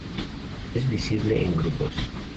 Es visitable en grupos.